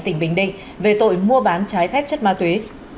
tỉnh bình định về tội mua bán trái phép chất ma túy